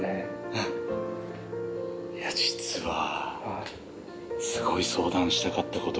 あっいや実はすごい相談したかったことがあって。